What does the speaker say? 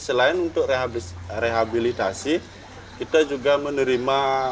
selain untuk rehabilitasi kita juga menerima